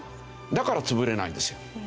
だから潰れないんですよ。